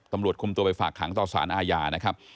ตำรวจคุมตัวไปฝากขังต่อสารอาญานะครับ